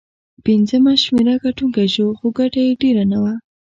پنځمه شمېره ګټونکی شو، خو ګټه یې ډېره نه وه.